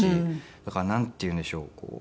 だからなんていうんでしょう。